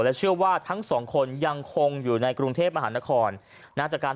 และเชื่อว่าทั้ง๒คนยังคงอยู่ในกรุงเทพมหาลนคร